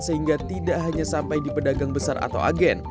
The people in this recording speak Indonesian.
sehingga tidak hanya sampai di pedagang besar atau agen